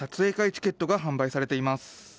チケットが販売されています。